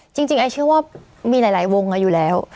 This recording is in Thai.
จริงไอซเชื่อว่ามีหลายวงอยู่แล้ว